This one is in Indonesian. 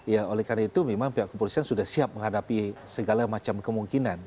ya oleh karena itu memang pihak kepolisian sudah siap menghadapi segala macam kemungkinan